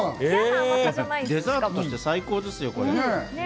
デザートとして最高ですよ、これ。